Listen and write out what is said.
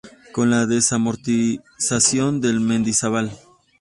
Con la Desamortización de Mendizabal.